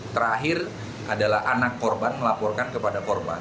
terakhir adalah anak korban melaporkan kepada korban